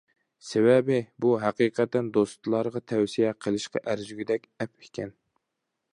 سەۋەبى، بۇ ھەقىقەتەن دوستلارغا تەۋسىيە قىلىشقا ئەرزىگۈدەك ئەپ ئىكەن.